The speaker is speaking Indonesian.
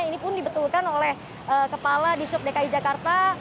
ini pun dibetulkan oleh kepala di sub dki jakarta